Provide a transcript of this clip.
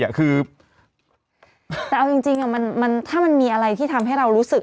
อ่ะคือแต่เอาจริงจริงอ่ะมันมันถ้ามันมีอะไรที่ทำให้เรารู้สึก